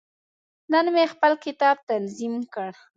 نن مې خپل کتاب تنظیم کړ.